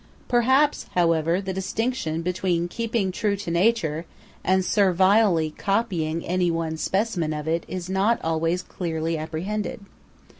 Perhaps, however, the distinction between keeping true to nature and servilely copying any one specimen of it is not always clearly apprehended.